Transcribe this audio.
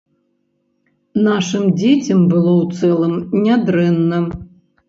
Нашым дзецям было, у цэлым, не дрэнна.